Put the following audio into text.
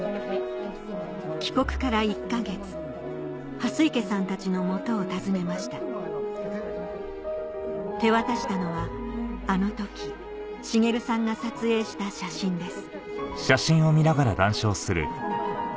帰国から１か月蓮池さんたちの元を訪ねました手渡したのはあの時滋さんが撮影した写真です